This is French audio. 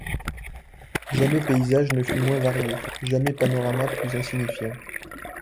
Jamais paysage ne fut moins varié, jamais panorama plus insignifiant.